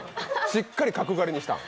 しっかり角刈りにしたん？